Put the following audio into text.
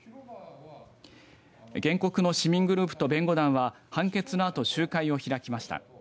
原告の市民グループと弁護団は判決のあと集会を開きました。